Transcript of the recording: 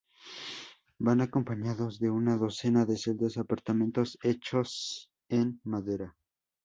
Van acompañados de una docena de celdas-apartamentos hechas en madera.